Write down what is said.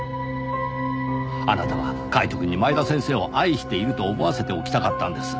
あなたはカイトくんに前田先生を愛していると思わせておきたかったんです。